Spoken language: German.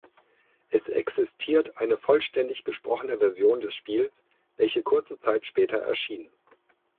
Es existiert eine vollständig gesprochene Version des Spiels, welche kurze Zeit später erschien.